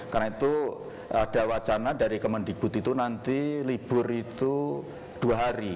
karena itu ada wacana dari kemendikbud itu nanti libur itu dua hari